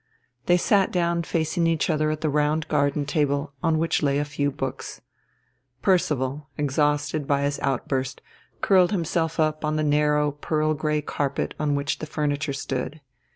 They sat down facing each other at the round garden table, on which lay a few books. Percival, exhausted by his outburst, curled himself up on the narrow pearl grey carpet on which the furniture stood.